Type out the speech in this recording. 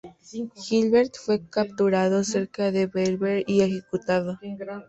Gibert fue capturado cerca de Bellver y ejecutado.